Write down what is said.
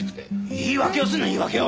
言い訳をするな言い訳を！